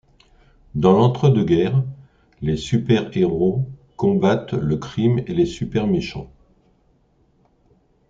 Dans l'entre-deux guerres, les super-héros combattent le crime et les super-méchants.